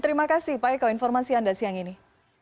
terima kasih pak eko informasi anda siang ini